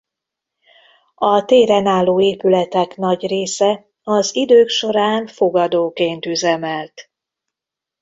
A téren álló épületek nagy része az idők során fogadóként üzemelt.